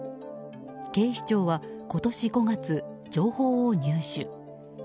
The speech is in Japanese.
警視庁は今年５月、情報を入手。